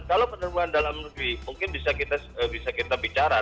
kalau penerbangan dalam negeri mungkin bisa kita bicara